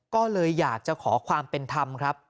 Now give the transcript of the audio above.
ก็เลยอยากจะขอความเป็นธรรมครับ